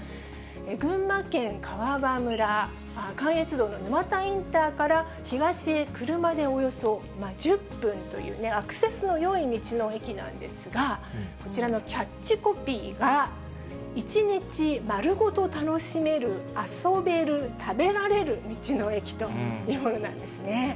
群馬県川場村、関越道の沼田インターから東へ車でおよそ１０分という、アクセスのよい道の駅なんですが、こちらのキャッチコピーが、１日まるごと楽しめる遊べる食べられる道の駅というものなんです